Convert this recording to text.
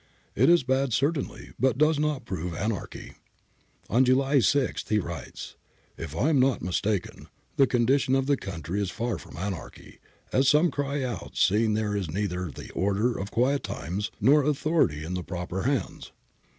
It is bad certainly, but does not prove anarchy.' On July 6 he writes :' If I am not mistaken, the condition of the country is far from anarchy, as some cry out seeing there is neither the order of quiet times, nor authority in the proper hands.